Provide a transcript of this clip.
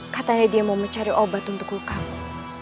katanya dia mau mencari obat untuk lukaku